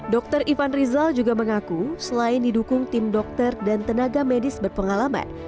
dr ivan rizal juga mengaku selain didukung tim dokter dan tenaga medis berpengalaman